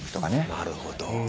なるほど。